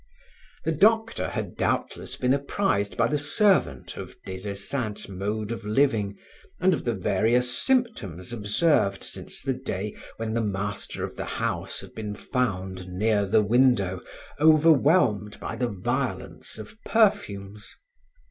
The doctor had doubtless been apprised by the servant of Des Esseintes' mode of living and of the various symptoms observed since the day when the master of the house had been found near the window, overwhelmed by the violence of perfumes.